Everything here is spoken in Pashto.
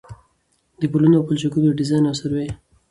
د پلونو او پلچکونو ډيزاين او سروې